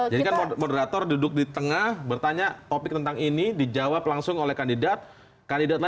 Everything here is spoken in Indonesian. kan moderator duduk di tengah bertanya topik tentang ini dijawab langsung oleh kandidat kandidat lain